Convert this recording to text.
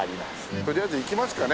とりあえず行きますかね。